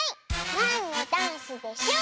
なんのダンスでしょう？